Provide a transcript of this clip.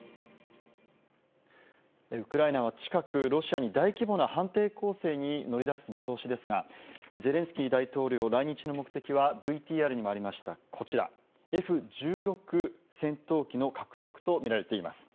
ウクライナは近くロシアに大規模な反転攻勢に乗り出す見通しですがゼレンスキー大統領来日の目的はＶＴＲにもありました、こちらＦ−１６戦闘機の獲得とみられています。